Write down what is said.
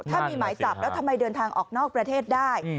ถ้ามีหมายจับแล้วทำไมเดินทางออกนอกประเทศได้